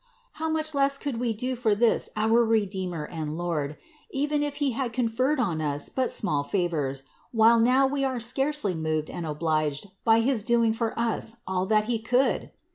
How much less could we do for this our Redeemer and Lord, even if He had conferred on us but small favors, while now we are scarcely moved and obliged by his doing for us all that He could?